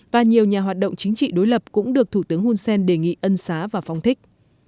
và nhiều nhà hoạt động chính trị đối lập cũng được thủ tướng hun sen đề nghị ân xá và phong thích